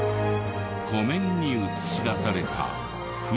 湖面に映し出された富士山。